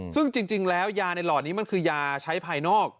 ซึ่งจริงแล้วยาในหล่อนี้มันคือยาใช้ภายนอก